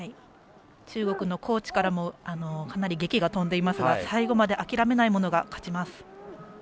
中国のコーチからもかなりげきが飛んでいますが最後まで諦めない者が勝ちます。